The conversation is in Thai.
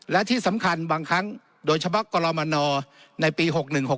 และที่สำคัญบางครั้งโดยเฉพาะกรมนในปี๖๑๖๖